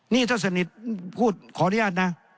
นี่ถ้าสนิทพูดขออนุญาตนะ